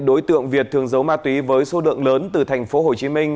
đối tượng việt thường giấu ma túy với số lượng lớn từ thành phố hồ chí minh